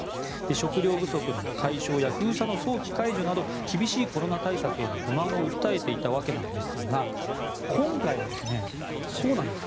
食料不足の解消や封鎖の早期解除など厳しいコロナ対策への不満を訴えていたわけですが今回はこうなんです。